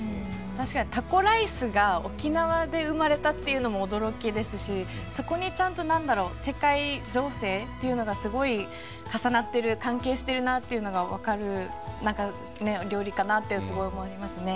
確かにタコライスが沖縄で生まれたっていうのも驚きですしそこにちゃんと世界情勢っていうのがすごい重なってる関係してるなっていうのが分かる料理かなってすごい思いますね。